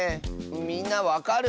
みんなわかる？